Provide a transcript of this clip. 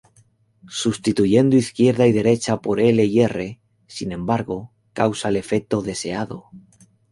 Sustituyendo izquierda y derecha por L y R, sin embargo, causa el efecto deseado.